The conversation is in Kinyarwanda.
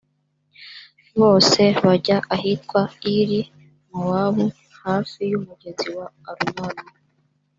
bose bajya ahitwa iri-mowabu, hafi y’umugezi wa arunoni.